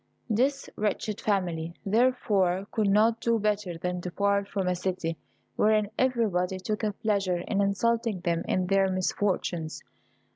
This wretched family, therefore, could not do better than depart from a city wherein everybody took a pleasure in insulting them in their misfortunes.